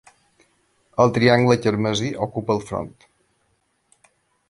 El triangle carmesí ocupa el front.